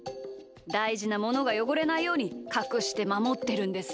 だいじなものがよごれないようにかくしてまもってるんです。